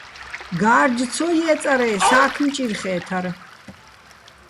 გარჯ ცო ჲე́წარ-ე́ სა́ქმ ჭირხე́თარ,